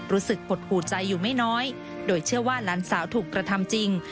รู้สึกหดหูใจอยู่ไม่น้อยโดยเชื่อว่าหลานสาวถูกกระทำจริง